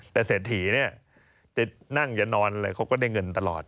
แต่เศรษฐีเนี่ยจะนั่งจะนอนอะไรเขาก็ได้เงินตลอด